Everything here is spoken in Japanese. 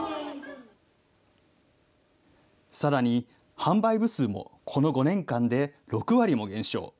さらに、販売部数もこの５年間で６割も減少。